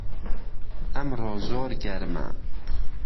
ئەمڕۆ زۆر گەرمە